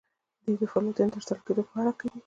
دوی د فعالیتونو د ترسره کیدو په اړه دي.